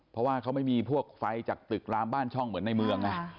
เพราะว่าเขาไม่มีพวกไฟจากตึกลามบ้านช่องเหมือนในเมืองไง